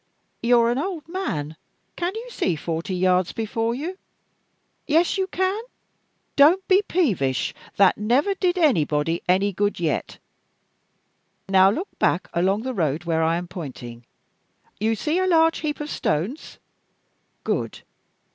You're an old man can you see forty yards before you? Yes, you can! Don't be peevish that never did anybody any good yet. Now look back, along the road where I am pointing. You see a large heap of stones? Good.